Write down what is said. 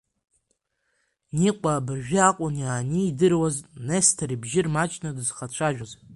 Никәа абыржәы акәын ианидыруаз Несҭор ибжьы рмаҷны дызхацәажәоз…